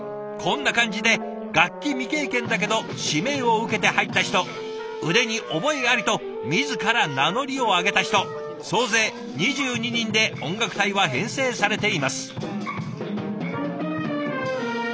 こんな感じで楽器未経験だけど指名を受けて入った人腕に覚えありと自ら名乗りを上げた人総勢２２人で音楽隊は編成されています。